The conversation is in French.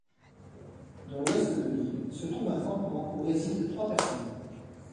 Dans l'Ouest de l'île se trouve un campement où résident trois personnes.